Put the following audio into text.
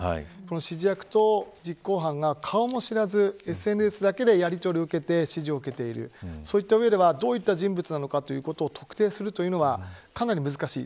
指示役と実行犯が顔も知らずにＳＮＳだけでやりとりをして指示を受けてるその上では、どういう人物なのかということを特定するのはかなり難しい。